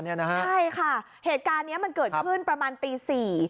ใช่ค่ะเหตุการณ์นี้มันเกิดขึ้นประมาณตี๔